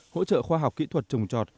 hỗ trợ khoa học kỹ thuật trồng trọt